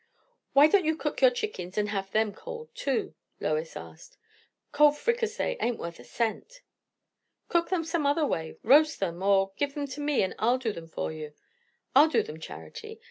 "Why don't you cook your chickens and have them cold too?" Lois asked. "Cold fricassee ain't worth a cent." "Cook them some other way. Roast them, or Give them to me, and I'll do them for you! I'll do them, Charity.